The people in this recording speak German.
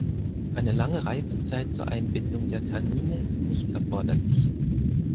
Eine lange Reifezeit zur Einbindung der Tannine ist nicht erforderlich.